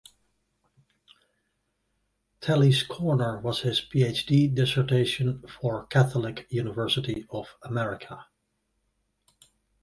"Tally's Corner" was his PhD dissertation for Catholic University of America.